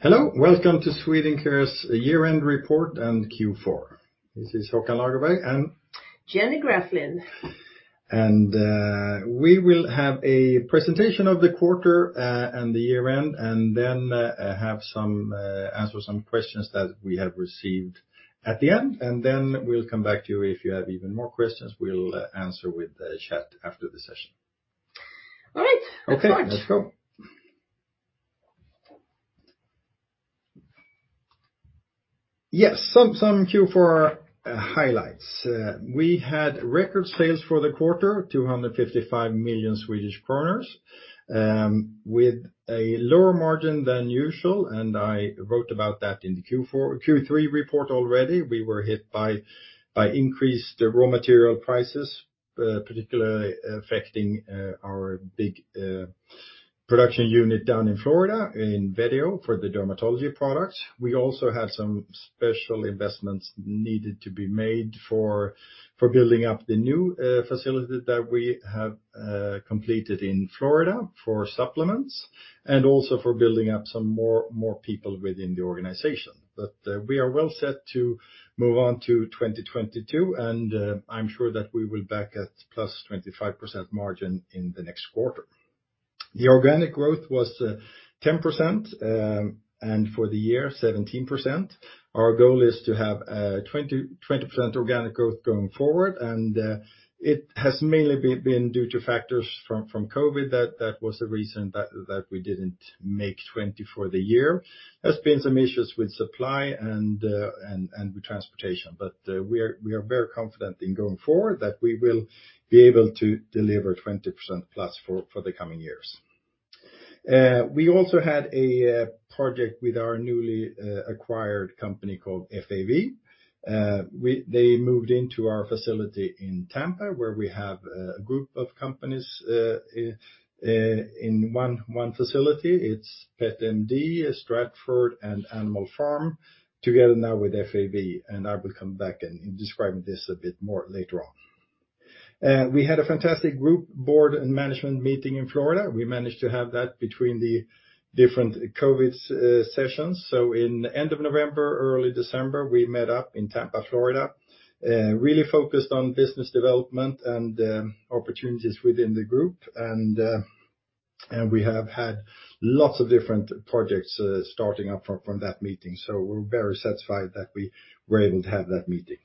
Hello. Welcome to Swedencare AB's Year-End report and Q4. This is Håkan Lagerberg and Jenny Graflind. We will have a presentation of the quarter and the year-end, and then answer some questions that we have received at the end, and then we'll come back to you if you have even more questions. We'll answer with the chat after the session. All right. Let's start. Q4 highlights. We had record sales for the quarter, 255 million Swedish kronor, with a lower margin than usual, and I wrote about that in the Q3 report already. We were hit by increased raw material prices, particularly affecting our big production unit down in Florida, in Vetio, for the dermatology products. We also had some special investments needed to be made for building up the new facility that we have completed in Florida for supplements, and also for building up some more people within the organization. We are well set to move on to 2022, and I'm sure that we will be back at 25% margin in the next quarter. The organic growth was 10%, and for the year, 17%. Our goal is to have 20% organic growth going forward, and it has mainly been due to factors from COVID that was the reason that we didn't make 20% for the year. There's been some issues with supply and with transportation. We are very confident going forward that we will be able to deliver 20% plus for the coming years. We also had a project with our newly acquired company called FAV. They moved into our facility in Tampa, where we have a group of companies in one facility. It's PetMD, Stratford, and Animal Pharm, together now with FAV, and I will come back and describe this a bit more later on. We had a fantastic group board and management meeting in Florida. We managed to have that between the different COVID sessions. End of November, early December, we met up in Tampa, Florida, really focused on business development and opportunities within the group. We have had lots of different projects starting up from that meeting. We're very satisfied that we were able to have that meeting.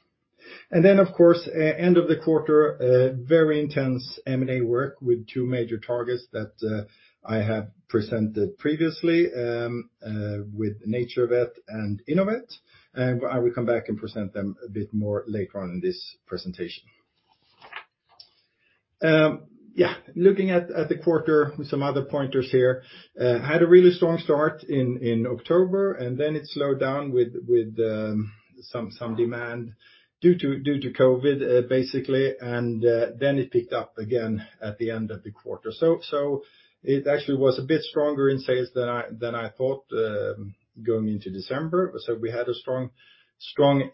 Then, of course, end of the quarter, a very intense M&A work with two major targets that I have presented previously with NaturVet and Innovet. I will come back and present them a bit more later on in this presentation. Yeah, looking at the quarter with some other pointers here, had a really strong start in October, and then it slowed down with some demand due to COVID, basically, and then it picked up again at the end of the quarter. It actually was a bit stronger in sales than I thought, going into December. We had a strong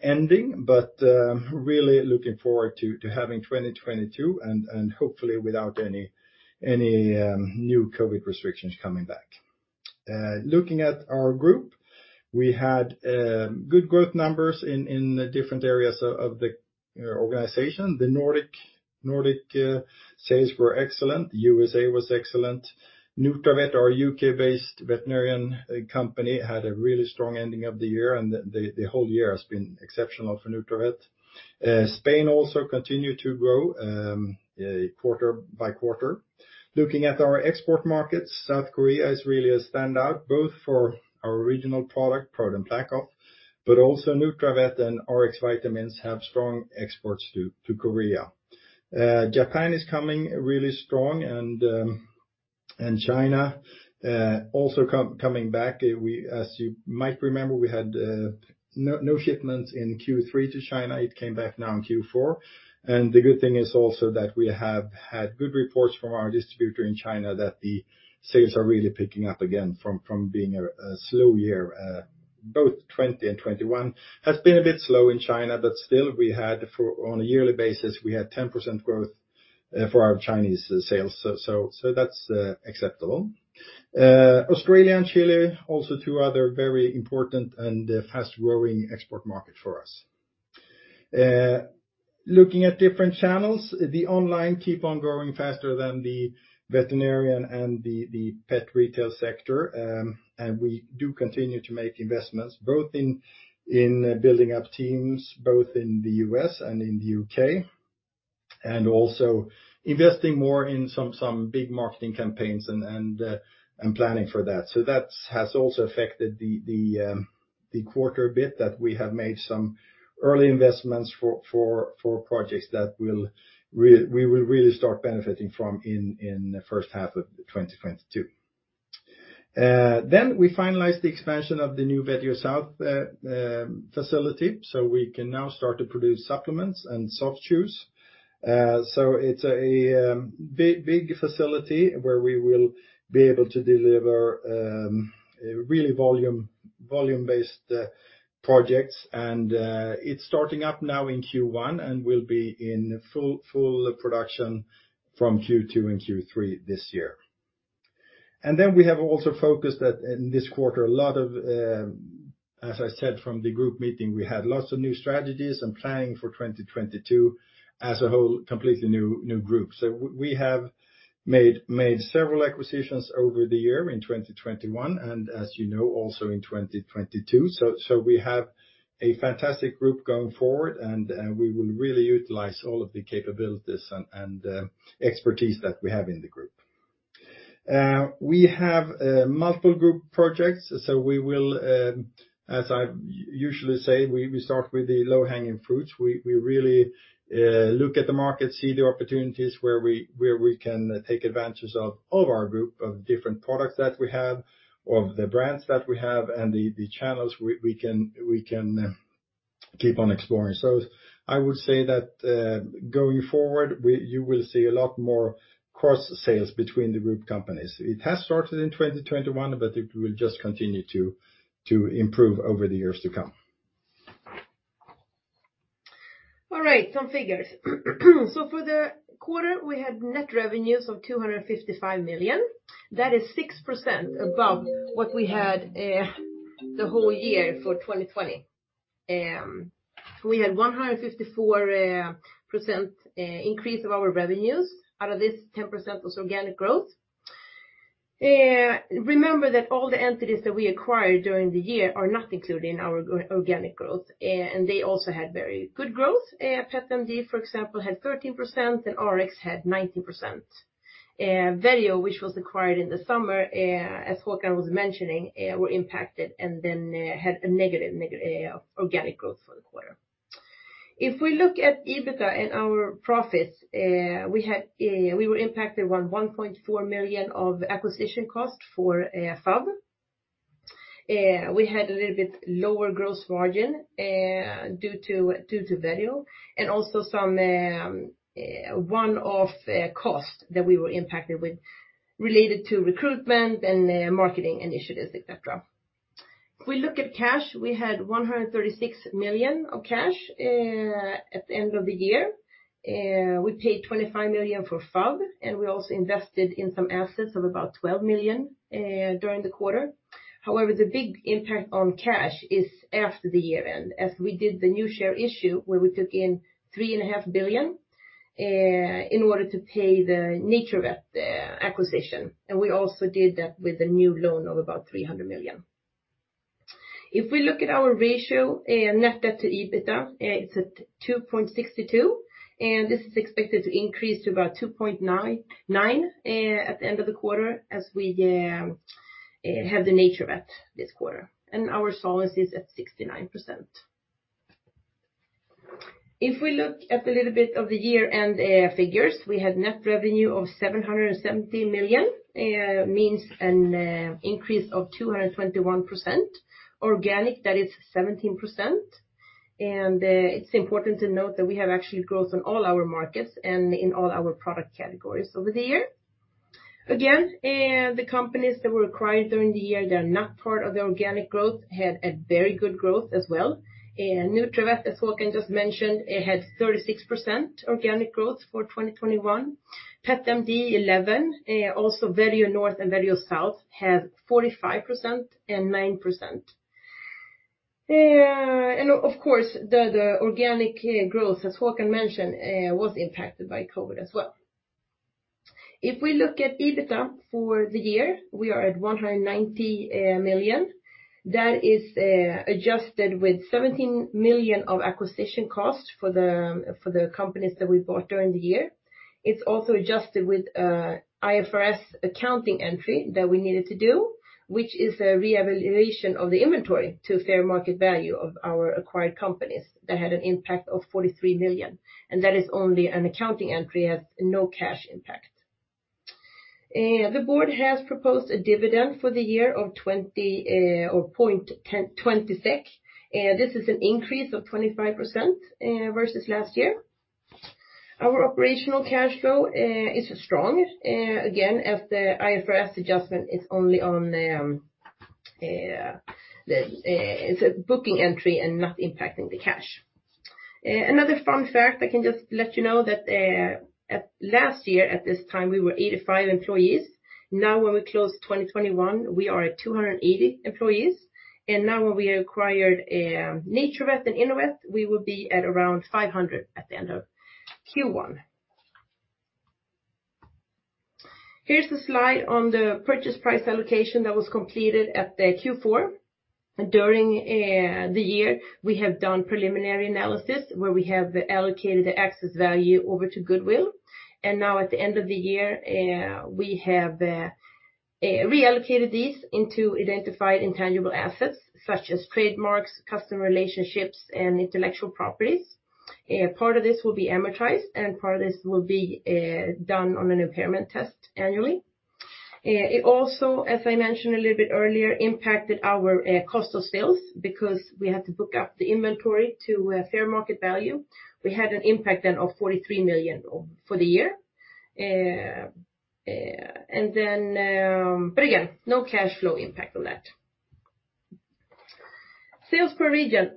ending, but really looking forward to having 2022, and hopefully without any new COVID restrictions coming back. Looking at our group, we had good growth numbers in the different areas of the organization. The Nordic sales were excellent. USA was excellent. Nutravet, our UK-based veterinary company, had a really strong ending of the year, and the whole year has been exceptional for Nutravet. Spain also continued to grow quarter by quarter. Looking at our export markets, South Korea is really a standout, both for our regional product, ProDen PlaqueOff, but also Nutravet and Rx Vitamins have strong exports to Korea. Japan is coming really strong, and China also coming back. As you might remember, we had no shipments in Q3 to China. It came back now in Q4. The good thing is also that we have had good reports from our distributor in China that the sales are really picking up again from being a slow year. Both 2020 and 2021 has been a bit slow in China, but still we had for. On a yearly basis, we had 10% growth for our Chinese sales. That's acceptable. Australia and Chile also two other very important and fast-growing export market for us. Looking at different channels, the online keep on growing faster than the veterinary and the pet retail sector. We do continue to make investments both in building up teams, both in the U.S. and in the U.K., and also investing more in some big marketing campaigns and planning for that. That has also affected the quarter a bit that we have made some early investments for projects that we will really start benefiting from in the first half of 2022. We finalized the expansion of the new Vetio South facility, so we can now start to produce supplements and soft chews. It's a big facility where we will be able to deliver really volume-based projects, and it's starting up now in Q1 and will be in full production from Q2 and Q3 this year. We have also focused in this quarter a lot of, as I said, from the group meeting, we had lots of new strategies and planning for 2022 as a whole, completely new group. We have made several acquisitions over the year in 2021 and as you know, also in 2022. We have a fantastic group going forward, and we will really utilize all of the capabilities and expertise that we have in the group. We have multiple group projects, so we will, as I usually say, we start with the low-hanging fruits. We really look at the market, see the opportunities where we can take advantages of all of our group of different products that we have, of the brands that we have, and the channels we can keep on exploring. I would say that, going forward, you will see a lot more cross-sales between the group companies. It has started in 2021, but it will just continue to improve over the years to come. All right. Some figures. For the quarter, we had net revenues of 255 million. That is 6% above what we had the whole year for 2020. We had 154% increase of our revenues. Out of this, 10% was organic growth. Remember that all the entities that we acquired during the year are not included in our organic growth. They also had very good growth. PetMD, for example, had 13%, and Rx had 19%. Vetio, which was acquired in the summer, as Håkan was mentioning, were impacted and then had a negative organic growth for the quarter. If we look at EBITDA and our profits, we were impacted 1.4 million of acquisition costs for FAV. We had a little bit lower gross margin due to Vetio and also some one-off costs that we were impacted with related to recruitment and marketing initiatives, et cetera. If we look at cash, we had 136 million of cash at the end of the year. We paid 25 million for FAV, and we also invested in some assets of about 12 million during the quarter. However, the big impact on cash is after the year end, as we did the new share issue where we took in 3.5 billion in order to pay the NaturVet acquisition. We also did that with a new loan of about 300 million. If we look at our ratio, net debt to EBITDA, it's at 2.62, and this is expected to increase to about 2.99 at the end of the quarter as we have the NaturVet this quarter. Our solvency is at 69%. If we look at a little bit of the year-end figures, we had net revenue of 770 million, means an increase of 221%. Organic, that is 17%. It's important to note that we have actually growth on all our markets and in all our product categories over the year. Again, the companies that were acquired during the year, they are not part of the organic growth, had a very good growth as well. NaturVet, as Håkan just mentioned, it had 36% organic growth for 2021. PetMD, 11%. Also Vetio North and Vetio South have 45% and 9%. Of course, the organic growth, as Håkan mentioned, was impacted by COVID as well. If we look at EBITDA for the year, we are at 190 million. That is adjusted with 17 million of acquisition costs for the companies that we bought during the year. It's also adjusted with IFRS accounting entry that we needed to do, which is a reevaluation of the inventory to fair market value of our acquired companies that had an impact of 43 million. That is only an accounting entry, it has no cash impact. The board has proposed a dividend for the year of 0.20 SEK. This is an increase of 25% versus last year. Our operational cash flow is strong again, as the IFRS adjustment is only a booking entry and not impacting the cash. Another fun fact I can just let you know that last year at this time, we were 85 employees. Now when we close 2021, we are at 280 employees. Now when we acquired NaturVet and Innovet, we will be at around 500 at the end of Q1. Here's the slide on the purchase price allocation that was completed at the Q4. During the year, we have done preliminary analysis where we have allocated the excess value over to Goodwill. Now at the end of the year, we have reallocated these into identified intangible assets such as trademarks, customer relationships, and intellectual properties. Part of this will be amortized and part of this will be done on an impairment test annually. It also, as I mentioned a little bit earlier, impacted our cost of sales because we had to step up the inventory to fair market value. We had an impact then of 43 million for the year. Again, no cash flow impact on that. Sales per region.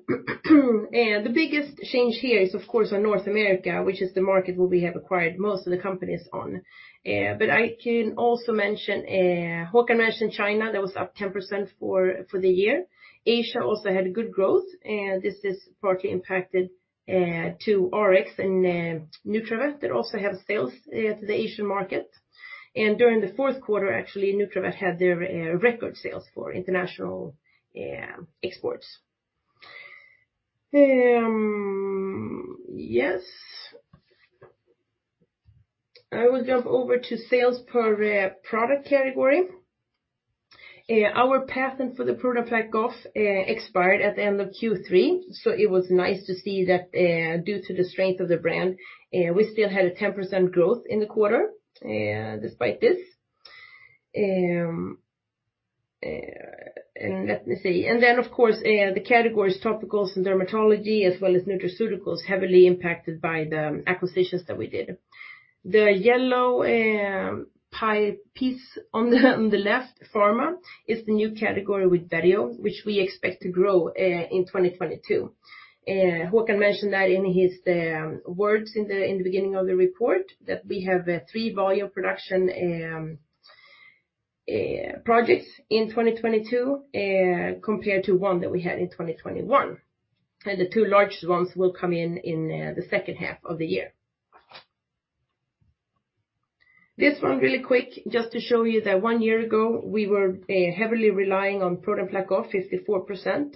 The biggest change here is of course in North America, which is the market where we have acquired most of the companies in. I can also mention, Håkan mentioned China, that was up 10% for the year. Asia also had good growth, and this is partly impacted to Rx and Nutravet that also have sales to the Asian market. During the fourth quarter, actually, Nutravet had their record sales for international exports. Yes. I will jump over to sales per product category. Our patent for the product PlaqueOff expired at the end of Q3, so it was nice to see that due to the strength of the brand we still had a 10% growth in the quarter despite this. Let me see. Of course, the categories Topicals and Dermatology, as well as Nutraceuticals, heavily impacted by the acquisitions that we did. The yellow pie piece on the left, Pharma, is the new category with Vetio, which we expect to grow in 2022. Håkan mentioned that in his words in the beginning of the report, that we have three volume production projects in 2022 compared to one that we had in 2021. The two largest ones will come in the second half of the year. This one really quick, just to show you that one year ago we were heavily relying on product PlaqueOff, 54%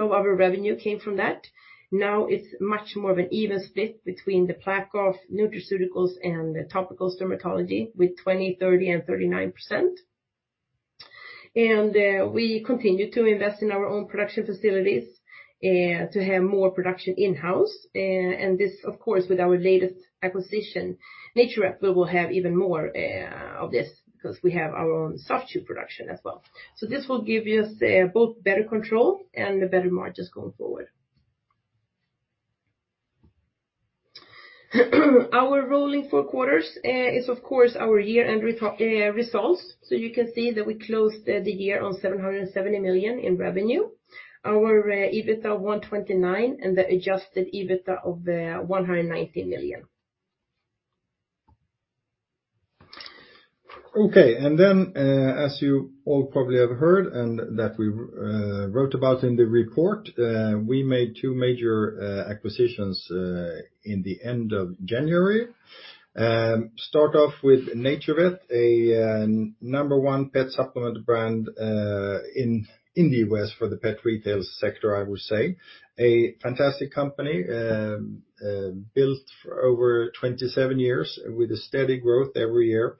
of our revenue came from that. Now it's much more of an even split between the PlaqueOff, Nutraceuticals, and the Topicals/Dermatology with 20%, 30%, and 39%. We continue to invest in our own production facilities to have more production in-house. This of course with our latest acquisition, NaturVet, we will have even more of this because we have our own soft chew production as well. This will give us both better control and better margins going forward. Our rolling four quarters is of course our year-end results. You can see that we closed the year on 770 million in revenue. Our EBITDA 129 million, and the adjusted EBITDA of 190 million. Okay. As you all probably have heard and that we wrote about in the report, we made two major acquisitions in the end of January. Start off with NaturVet, a number one pet supplement brand in the U.S. for the pet retail sector, I would say. A fantastic company built for over 27 years with a steady growth every year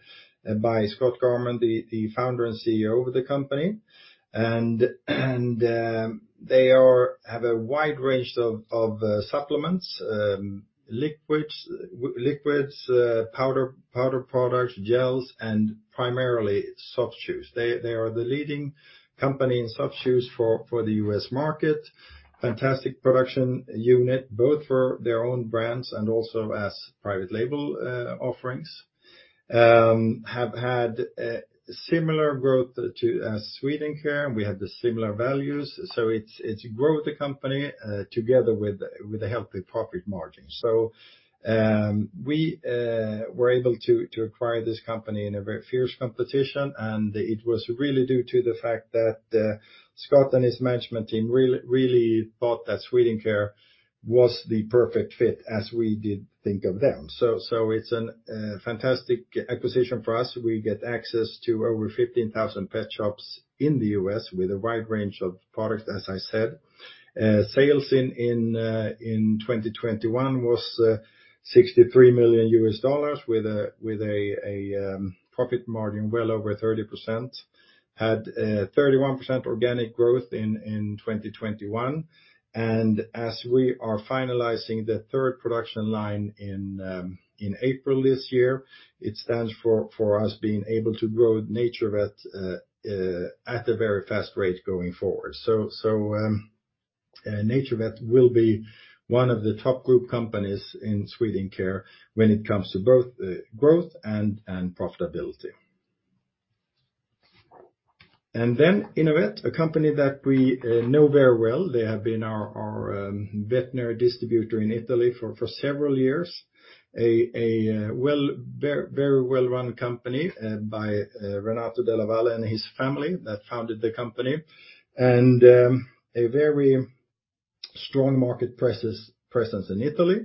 by Scott Garmon, the founder and CEO of the company. They have a wide range of supplements, liquids, powder products, gels, and primarily soft chews. They are the leading company in soft chews for the U.S. market. Fantastic production unit, both for their own brands and also as private label offerings. They have had similar growth to Swedencare. We have similar values. It's grow the company together with a healthy profit margin. We were able to acquire this company in a very fierce competition, and it was really due to the fact that Scott and his management team really thought that Swedencare was the perfect fit as we did think of them. It's a fantastic acquisition for us. We get access to over 15,000 pet shops in the U.S. with a wide range of products, as I said. Sales in 2021 was $63 million with a profit margin well over 30%. Had 31% organic growth in 2021. As we are finalizing the third production line in April this year, it stands for us being able to grow NaturVet at a very fast rate going forward. NaturVet will be one of the top group companies in Swedencare when it comes to both growth and profitability. Then Innovet, a company that we know very well. They have been our veterinary distributor in Italy for several years. A very well-run company by Renato della Valle and his family that founded the company. A very strong market presence in Italy.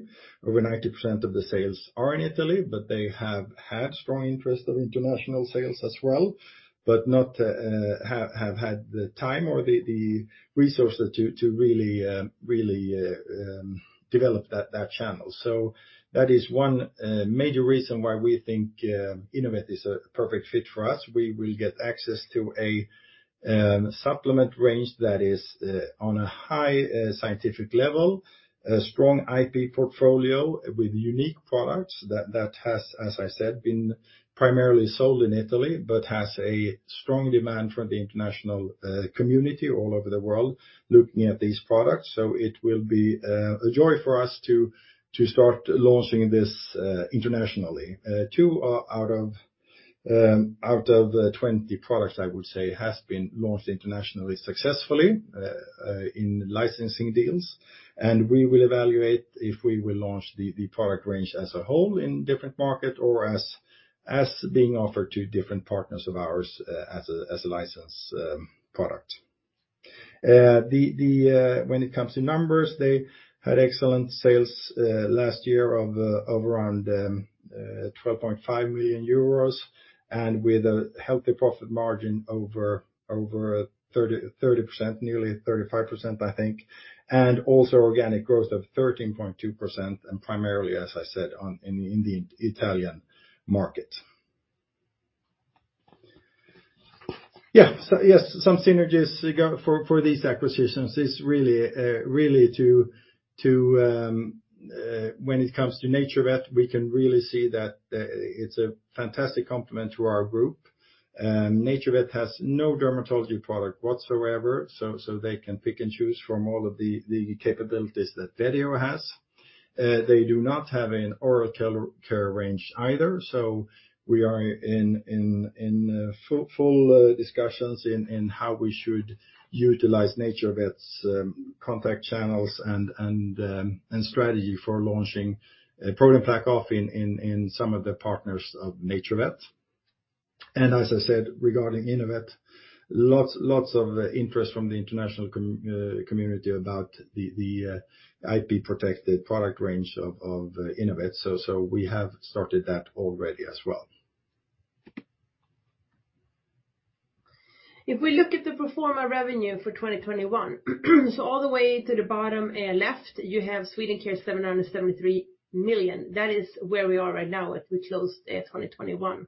Over 90% of the sales are in Italy, but they have had strong interest in international sales as well, but not had the time or the resources to really develop that channel. That is one major reason why we think Innovet is a perfect fit for us. We will get access to a supplement range that is on a high scientific level, a strong IP portfolio with unique products that has, as I said, been primarily sold in Italy, but has a strong demand from the international community all over the world looking at these products. It will be a joy for us to start launching this internationally. 2 out of 20 products, I would say, has been launched internationally successfully in licensing deals. We will evaluate if we will launch the product range as a whole in different market or as being offered to different partners of ours as a license product. When it comes to numbers, they had excellent sales last year of around 12.5 million euros and with a healthy profit margin over 30%, nearly 35%, I think. Also organic growth of 13.2% and primarily, as I said, in the Italian market. Yes, some synergies for these acquisitions is really to when it comes to NaturVet, we can really see that it's a fantastic complement to our group. NaturVet has no dermatology product whatsoever, so they can pick and choose from all of the capabilities that Vetio has. They do not have an oral care range either. We are in full discussions on how we should utilize NaturVet's contact channels and strategy for launching ProDen PlaqueOff in some of the partners of NaturVet. As I said, regarding Innovet, lots of interest from the international community about the IP-protected product range of Innovet. We have started that already as well. If we look at the pro forma revenue for 2021, so all the way to the bottom, left, you have Swedencare AB 773 million. That is where we are right now as we close 2021.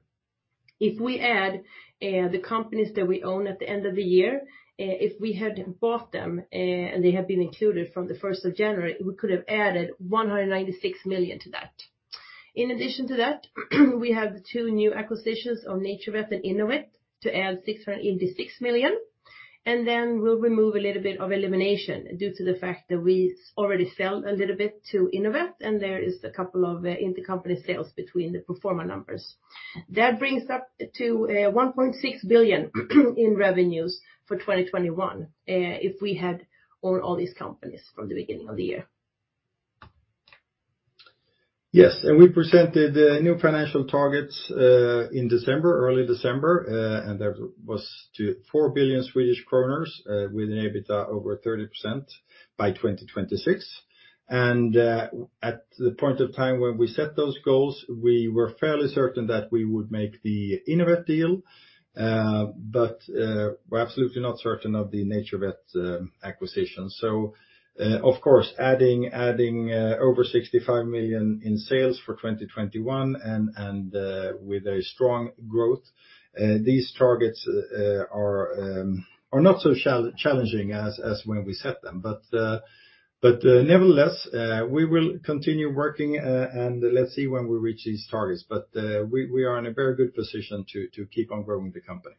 If we add the companies that we own at the end of the year, if we had bought them and they have been included from the first of January, we could have added 196 million to that. In addition to that, we have two new acquisitions of NaturVet and Innovet to add 686 million. We'll remove a little bit of elimination due to the fact that we already sell a little bit to Innovet, and there is a couple of intercompany sales between the pro forma numbers. That brings up to 1.6 billion in revenues for 2021, if we had owned all these companies from the beginning of the year. Yes. We presented new financial targets in December, early December, and that was to 4 billion Swedish kronor with an EBITDA over 30% by 2026. At the point of time when we set those goals, we were fairly certain that we would make the Innovet deal, but we're absolutely not certain of the NaturVet acquisition. Of course, adding over 65 million in sales for 2021 and with a strong growth, these targets are not so challenging as when we set them. Nevertheless, we will continue working and let's see when we reach these targets. We are in a very good position to keep on growing the company.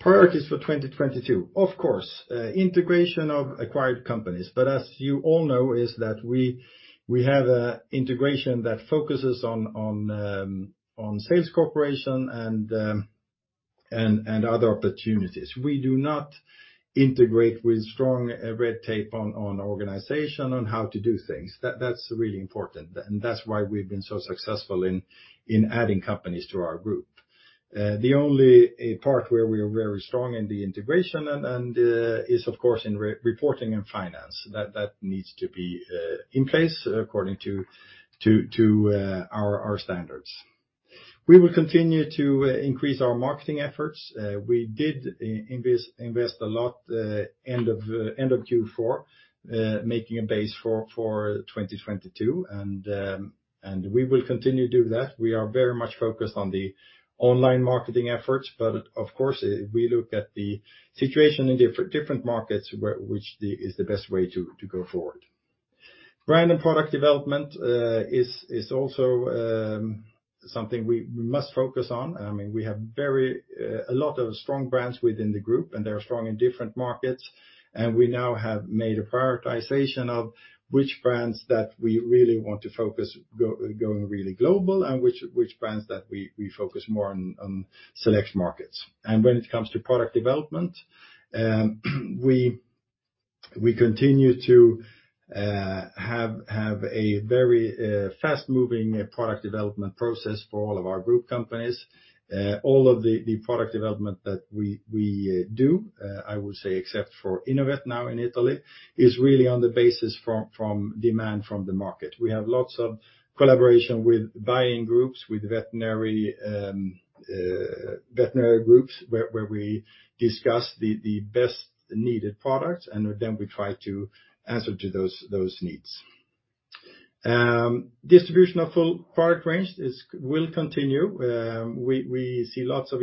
Priorities for 2022, of course, integration of acquired companies, but as you all know, we have an integration that focuses on sales cooperation and other opportunities. We do not integrate with strong red tape on organization on how to do things. That's really important, and that's why we've been so successful in adding companies to our group. The only part where we are very strong in the integration is of course in re-reporting and finance. That needs to be in place according to our standards. We will continue to increase our marketing efforts. We did invest a lot end of Q4, making a base for 2022, and we will continue to do that. We are very much focused on the online marketing efforts, but of course, we look at the situation in different markets, which is the best way to go forward. Brand and product development is also something we must focus on. I mean, we have very a lot of strong brands within the group, and they are strong in different markets. We now have made a prioritization of which brands that we really want to focus going really global and which brands that we focus more on select markets. When it comes to product development, we continue to have a very fast-moving product development process for all of our group companies. All of the product development that we do, I would say except for Innovet now in Italy, is really on the basis from demand from the market. We have lots of collaboration with buying groups, with veterinary groups where we discuss the best needed products, and then we try to answer to those needs. Distribution of full product range will continue. We see lots of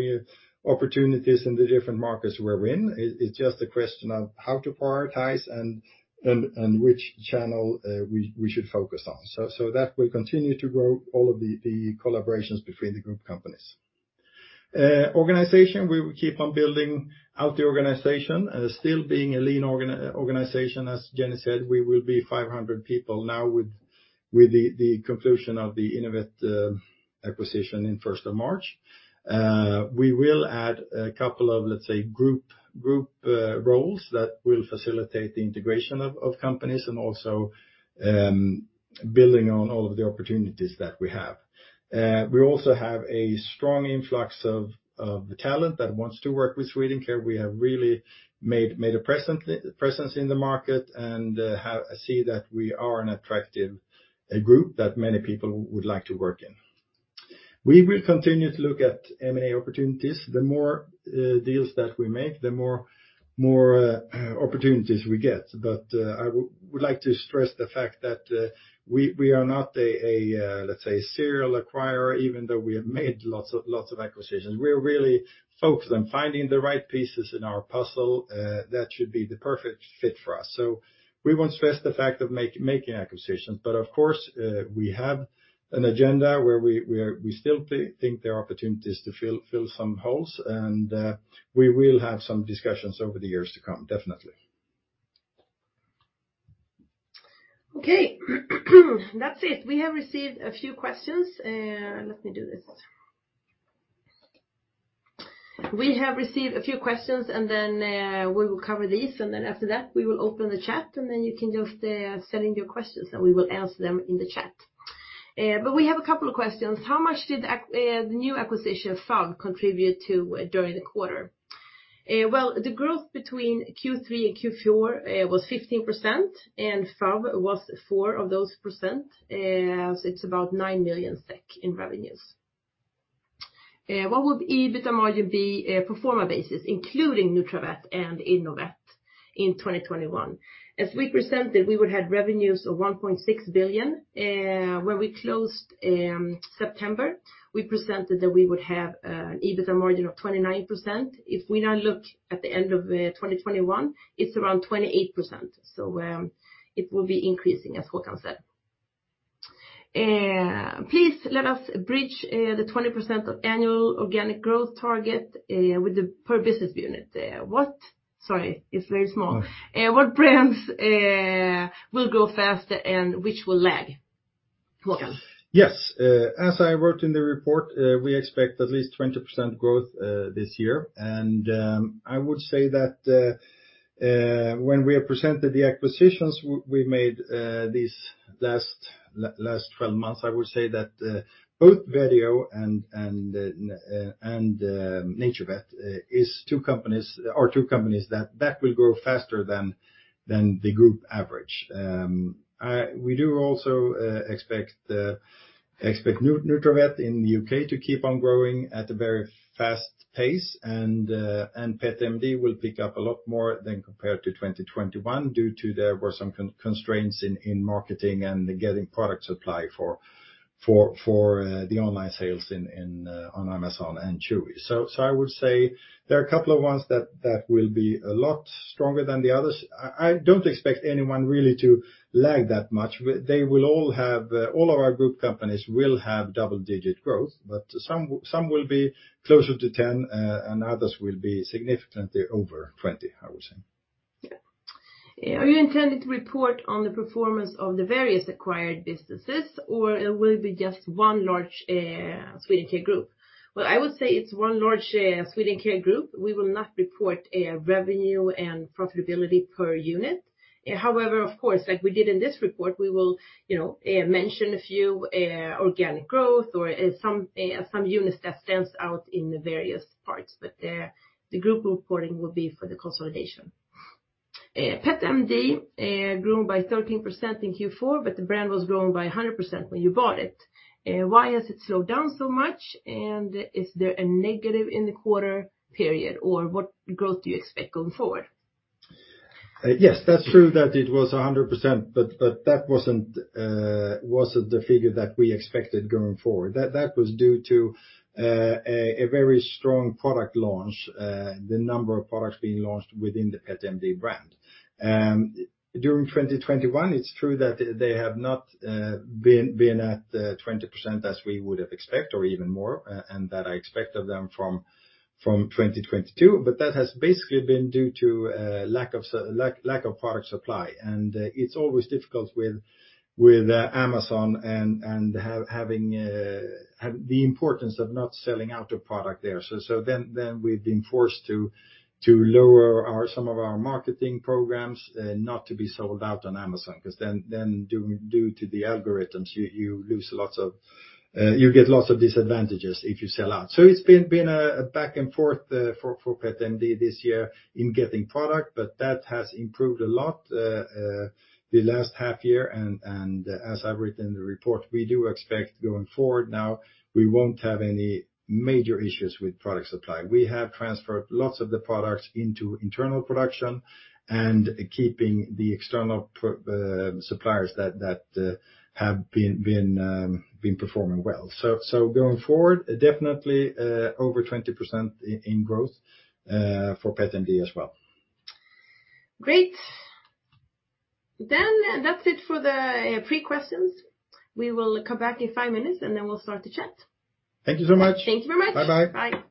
opportunities in the different markets we're in. It's just a question of how to prioritize and which channel we should focus on. That will continue to grow all of the collaborations between the group companies. Organization, we will keep on building out the organization, still being a lean organization. As Jenny said, we will be 500 people now with the conclusion of the Innovet acquisition on first of March. We will add a couple of, let's say, group roles that will facilitate the integration of companies and also building on all of the opportunities that we have. We also have a strong influx of talent that wants to work with Swedencare AB. We have really made a presence in the market and have seen that we are an attractive group that many people would like to work in. We will continue to look at M&A opportunities. The more deals that we make, the more opportunities we get. I would like to stress the fact that we are not a let's say serial acquirer, even though we have made lots of acquisitions. We are really focused on finding the right pieces in our puzzle that should be the perfect fit for us. We won't stress the fact of making acquisitions, but of course we have an agenda where we still think there are opportunities to fill some holes, and we will have some discussions over the years to come, definitely. Okay. That's it. We have received a few questions, and then we will cover these, and then after that, we will open the chat, and then you can just send in your questions, and we will answer them in the chat. We have a couple of questions. How much did the new acquisition, FAV, contribute to during the quarter? Well, the growth between Q3 and Q4 was 15%, and FAV was 4% of those. So it's about 9 million SEK in revenues. What would EBITDA margin be, pro forma basis, including Nutravet and Innovet in 2021? As we presented, we would have revenues of 1.6 billion. When we closed in September, we presented that we would have an EBITDA margin of 29%. If we now look at the end of 2021, it's around 28%. It will be increasing, as Håkan said. Please let us bridge the 20% annual organic growth target with the per business unit. No. What brands will grow faster and which will lag? Håkan. Yes. As I wrote in the report, we expect at least 20% growth this year. I would say that when we have presented the acquisitions we made these last 12 months, I would say that both Vetio and NaturVet are two companies that will grow faster than the group average. We do also expect Nutravet in the UK to keep on growing at a very fast pace and PetMD will pick up a lot more than compared to 2021 due to there were some constraints in marketing and getting product supply for the online sales on Amazon and Chewy. I would say there are a couple of ones that will be a lot stronger than the others. I don't expect anyone really to lag that much. All of our group companies will have double-digit growth, but some will be closer to 10, and others will be significantly over 20, I would say. Are you intending to report on the performance of the various acquired businesses, or will it be just one large Swedencare Group? Well, I would say it's one large Swedencare Group. We will not report revenue and profitability per unit. However, of course, like we did in this report, we will, you know, mention a few organic growth or some units that stands out in the various parts. The group reporting will be for the consolidation. PetMD grown by 13% in Q4, but the brand was growing by 100% when you bought it. Why has it slowed down so much? Is there a negative in the quarter period, or what growth do you expect going forward? Yes, that's true that it was 100%, but that wasn't the figure that we expected going forward. That was due to a very strong product launch, the number of products being launched within the PetMD brand. During 2021, it's true that they have not been at 20% as we would have expected or even more, and that I expect of them from 2022, but that has basically been due to lack of product supply. It's always difficult with Amazon and having the importance of not selling out a product there. Then we've been forced to lower some of our marketing programs, not to be sold out on Amazon 'cause then due to the algorithms, you get lots of disadvantages if you sell out. It's been a back and forth for PetMD Brands this year in getting product, but that has improved a lot the last half year. As I've written in the report, we do expect going forward now, we won't have any major issues with product supply. We have transferred lots of the products into internal production and keeping the external suppliers that have been performing well. Going forward, definitely, over 20% in growth for PetMD Brands as well. Great. That's it for the pre-questions. We will come back in five minutes, and then we'll start the chat. Thank you so much. Thank you very much. Bye-bye. Bye.